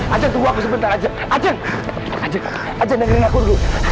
ajeng tunggu aku sebentar ajeng ajeng ajeng jangan dengerin aku dulu